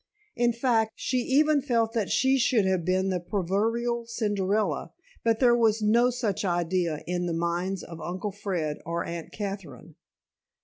In fact, she even felt that she should have been the proverbial Cinderella, but there was no such idea in the minds of Uncle Fred or Aunt Katherine.